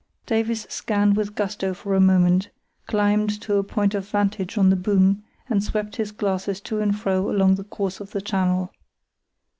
Davies scanned it with gusto for a moment, climbed to a point of vantage on the boom, and swept his glasses to and fro along the course of the channel.